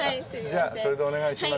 じゃあそれでお願いします。